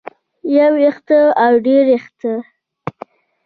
يو وېښتۀ او ډېر وېښتۀ